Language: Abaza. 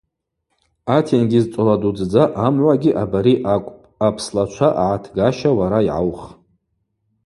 Атенгьыз цӏола дудздза амгӏвагьи абари акӏвпӏ, апслачва агӏатгаща уара йгӏаух.